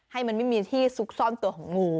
ให้มันไม่มีที่ซุกซ่อนตัวของงู